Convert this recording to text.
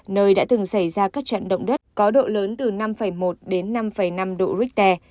nơi đã từng xảy ra các trận động đất có độ lớn từ năm một đến năm năm độ richter